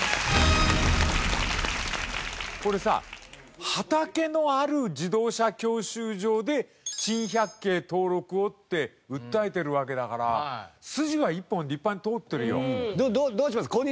これさ畑のある自動車教習所で珍百景登録をって訴えてるわけだから筋が一本立派に通ってるよ。